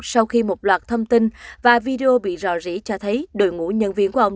sau khi một loạt thông tin và video bị rò rỉ cho thấy đội ngũ nhân viên của ông